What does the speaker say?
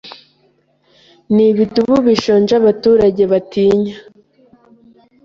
Nibidubu bishonje abaturage batinyaga.